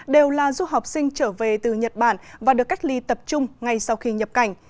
đều là du học sinh trở về từ nhật bản và được cách ly tập trung ngay sau khi nhập cảnh